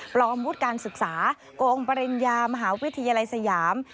วุฒิการศึกษาโกงปริญญามหาวิทยาลัยสยาม